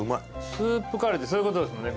スープカレーってそういうことですもんね。